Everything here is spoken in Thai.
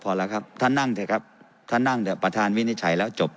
พอแล้วครับท่านนั่งเถอะครับท่านนั่งเถอะประธานวินิจฉัยแล้วจบ